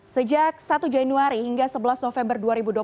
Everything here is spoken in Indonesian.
sejak satu januari hingga sebelas november dua ribu dua puluh satu